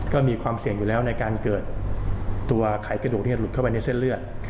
ก็มีความเสี่ยงอยู่แล้วในการเกิดตัวไขกระดูกหลุดเข้าไปในเส้นเลือด